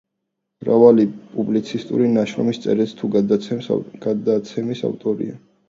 მრავალი პუბლიცისტური ნაშრომის, წერილის თუ გადაცემის ავტორია.